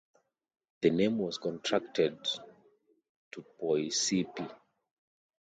The name was contracted to Poy Sippi.